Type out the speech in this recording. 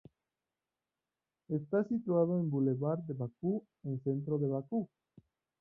Está situado en Bulevar de Bakú, en centro de Bakú.